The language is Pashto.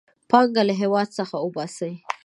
پانګه له هېواد څخه وباسي.